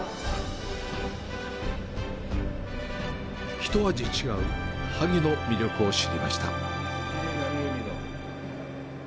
ひと味違う萩の魅力を知りました。